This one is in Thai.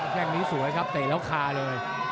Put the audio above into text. แค่งนี้สวยครับเตะแล้วคาเลย